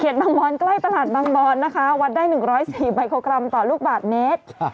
บางบอนใกล้ตลาดบางบอนนะคะวัดได้๑๐๔ไมโครกรัมต่อลูกบาทเมตร